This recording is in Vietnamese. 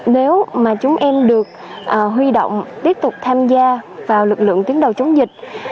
nếu mà chúng em được huy động tiếp tục tham gia vào lực lượng tuyến đầu chống dịch